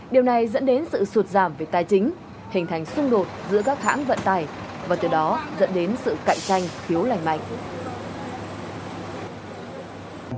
điều này dẫn đến sự sụt giảm về tài chính hình thành xung đột giữa các hãng vận tải và từ đó dẫn đến sự cạnh tranh thiếu lành mạnh